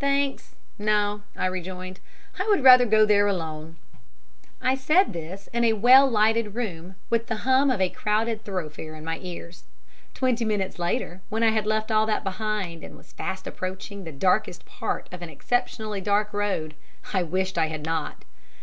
"Thanks, no!" I rejoined. "I would rather go there alone." I said this in a well lighted room, with the hum of a crowded thoroughfare in my ears. Twenty minutes later, when I had left all that behind, and was fast approaching the darkest part of an exceptionally dark road, I wished I had not.